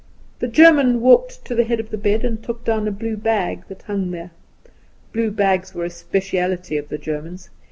The German walked to the head of the bed and took down a blue bag that hung there. Blue bags were a speciality of the German's.